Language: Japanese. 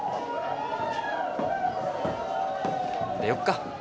出よっか？